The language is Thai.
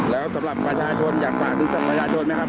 แล้วสำหรับประชาชนอยากปรากฏดูกรุศรักประชาชนไหมครับเอ่อ